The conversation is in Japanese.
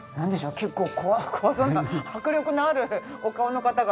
結構怖そうな迫力のあるお顔の方が。